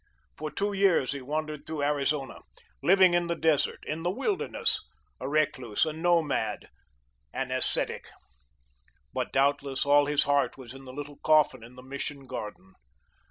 For two years he wandered through Arizona, living in the desert, in the wilderness, a recluse, a nomad, an ascetic. But, doubtless, all his heart was in the little coffin in the Mission garden.